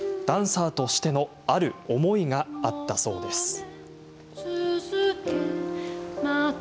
ダンサーとしてのある思いがあったそうです。